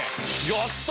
やった！